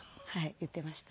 言っていました。